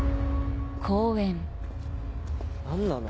何なの？